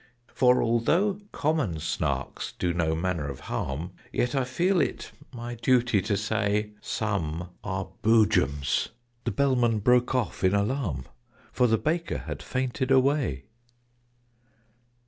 "For, although common Snarks do no manner of harm, Yet I feel it my duty to say Some are Boojums " The Bellman broke off in alarm, For the Baker had fainted away.